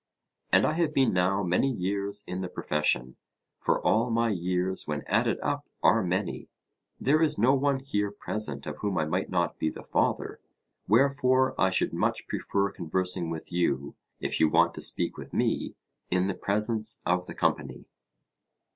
And I have been now many years in the profession for all my years when added up are many: there is no one here present of whom I might not be the father. Wherefore I should much prefer conversing with you, if you want to speak with me, in the presence of the company.